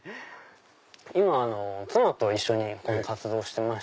今妻と一緒にこの活動してまして。